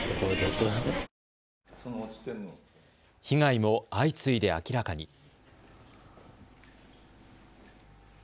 被害も相次いで明らかに。